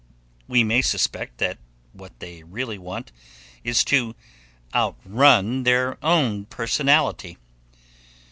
We may suspect that what they really want is to outrun their own personality.